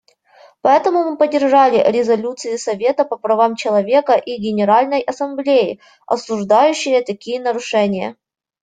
Поэтому мы поддержали резолюции Совета по правам человека и Генеральной Ассамблеи, осуждающие такие нарушения.